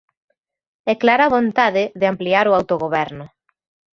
E clara vontade de ampliar o autogoberno.